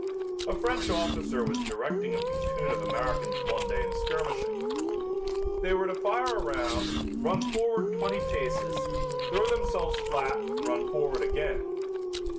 A French officer was directing a platoon of Americans one day in skirmishing. They were to fire a round, run forward twenty paces, throw themselves flat and run forward again.